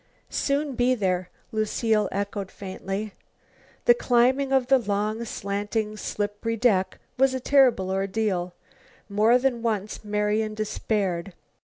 "Soon be there," Lucile echoed faintly. The climbing of the long, slanting, slippery deck was a terrible ordeal. More than once Marian despaired.